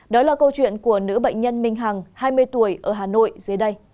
đó là câu chuyện của nữ bệnh nhân minh hằng hai mươi tuổi ở hà nội dưới đây